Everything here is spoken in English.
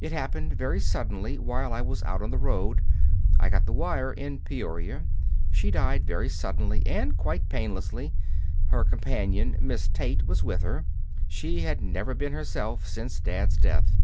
It happened very suddenly while I was out on the road. I got the wire in Peoria. She died very suddenly and quite painlessly. Her companion, Miss Tate, was with her. She had never been herself since Dad's death."